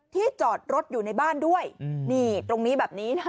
จอดรถอยู่ในบ้านด้วยนี่ตรงนี้แบบนี้